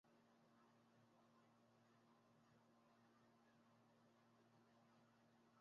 Tulina okutegeka akabaga k’abakozi akamaliriza omwaka.